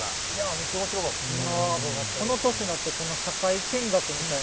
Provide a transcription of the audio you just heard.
めっちゃ面白かったですね。